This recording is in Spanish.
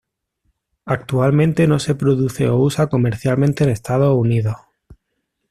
Actualmente no se produce o usa comercialmente en Estados Unidos.